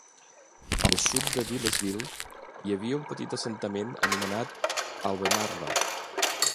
Al sud de Bilesville hi havia un petit assentament anomenat Albemarle.